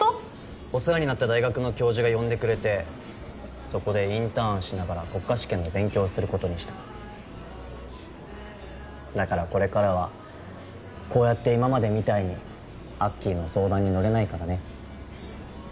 お世話になった大学の教授が呼んでくれてそこでインターンしながら国家試験の勉強することにしただからこれからはこうやって今までみたいにアッキーの相談にのれないからね